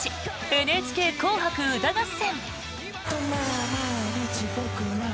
「ＮＨＫ紅白歌合戦」。